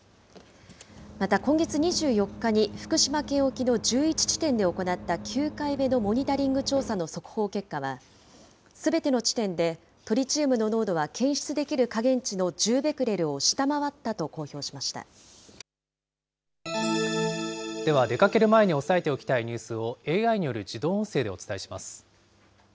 また今月２４日に福島県沖の１１地点で行った９回目のモニタリング調査の速報結果は、すべての地点でトリチウムの濃度は検出できる下限値の１０ベクレでは、出かける前に押さえておきたいニュースをＡＩによる自動音声でお伝えします。